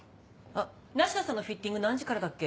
あっ梨田さんのフィッティング何時からだっけ？